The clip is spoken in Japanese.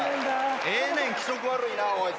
ええねん気色悪いなずっと。